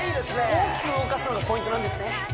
大きく動かすのがポイントなんですね